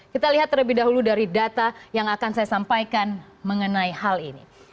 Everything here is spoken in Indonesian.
kita lihat terlebih dahulu dari data yang akan saya sampaikan mengenai hal ini